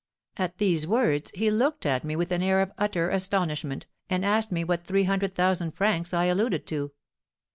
At these words, he looked at me with an air of utter astonishment, and asked me what three hundred thousand francs I alluded to.